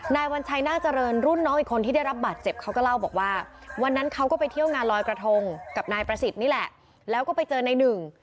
นายวัญชัยหน้าเจริญรุ่นน้องอีกคนที่ได้รับบาดเจ็บเขาก็เล่าบอกว่าวันนั้นเขาก็ไปเที่ยวงานลอยกระทงกับนายประสิทธิ์นี่แหละแล้วก็ไปเจอนายหนึ่ง